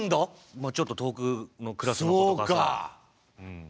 まあちょっと遠くのクラスの子とかさ。そうか。